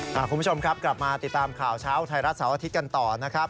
คุณผู้ชมครับกลับมาติดตามข่าวเช้าไทยรัฐเสาร์อาทิตย์กันต่อนะครับ